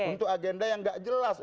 untuk agenda yang nggak jelas